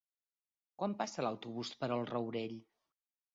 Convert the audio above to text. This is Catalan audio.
Quan passa l'autobús per el Rourell?